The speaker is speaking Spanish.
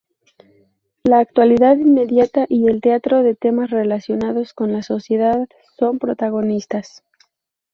La actualidad inmediata y el trato de temas relacionados con la sociedad son protagonistas.